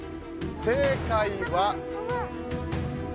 正解は。